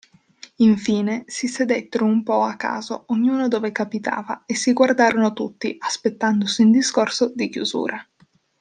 Infine, si sedettero un po' a caso, ognuno dove capitava, e si guardarono tutti, aspettandosi un discorso di chiusura.